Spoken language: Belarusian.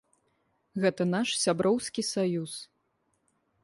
Гэта наш сяброўскі саюз.